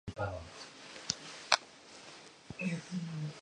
The Air Force Longevity Service Ribbon is awarded instead.